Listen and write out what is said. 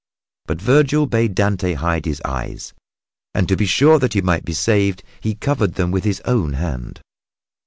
But Vergil bade Dante hide his eyes, and to be sure that he might be saved he covered them with his own hand.